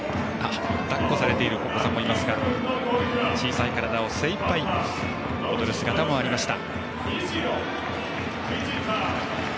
抱っこされているお子さんもいますが小さい体を精いっぱい使って踊る姿もありました。